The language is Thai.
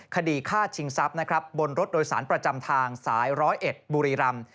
คดีฆ่าชิงทรัพย์นะครับบนรถโดยสารประจำทางสาย๑๐๑บุรีรำ